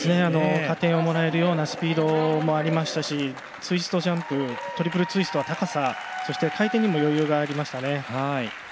加点をもらえるようなスピードもありましたしツイストジャンプトリプルツイストは高さ、回転も余裕がありました。